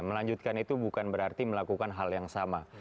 melanjutkan itu bukan berarti melakukan hal yang sama